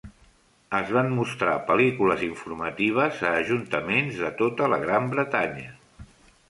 Es van mostrar pel·lícules informatives a ajuntaments de tota la Gran Bretanya.